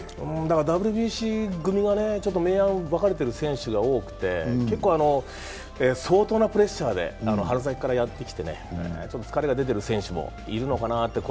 ＷＢＣ組が明暗分かれている選手が多くて相当なプレッシャーで春先からやってきてね、疲れが出てる選手もいるのかなと。